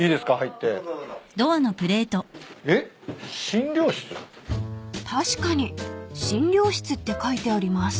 「診療室」［確かに「診療室」って書いてあります］